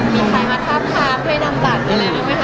มีใครมาทับทามให้นางบัตรไปแล้วไหมคะ